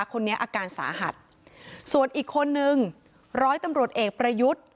คนนี้อาการสาหัสส่วนอีกคนนึงร้อยตำรวจเอกประยุทธ์